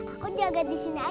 aku jaga di sini aja